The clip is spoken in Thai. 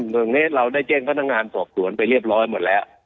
ตรงนี้เราได้แจ้งพนักงานสอบสวนไปเรียบร้อยหมดแล้ว